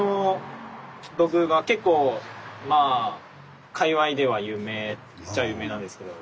結構まあ界わいでは有名っちゃ有名なんですけど。